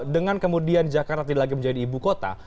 dengan kemudian jakarta tidak lagi menjadi ibu kota